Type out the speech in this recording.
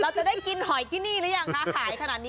เราจะได้กินหอยที่นี่หรือยังคะขายขนาดนี้